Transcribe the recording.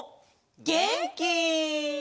げんき！